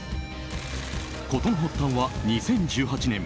事の発端は２０１８年。